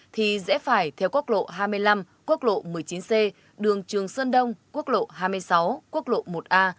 thì dễ phải theo quốc lộ hai mươi năm quốc lộ một mươi chín c đường trường sơn đông quốc lộ hai mươi sáu quốc lộ một a